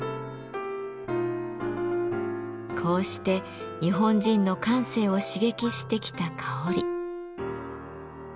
こうして日本人の感性を刺激してきた香り。